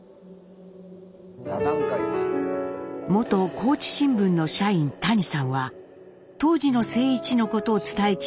元高知新聞の社員谷さんは当時の静一のことを伝え聞き記事にしていました。